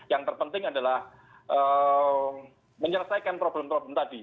yang terpenting adalah menyelesaikan problem problem tadi